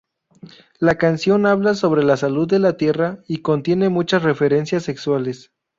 La canción habla sobre la salud de la tierra y contiene muchas referencias sexuales.